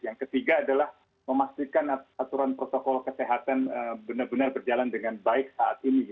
yang ketiga adalah memastikan aturan protokol kesehatan benar benar berjalan dengan baik saat ini